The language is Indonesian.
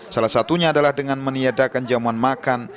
salah satunya adalah dengan meniadakan jamuan makan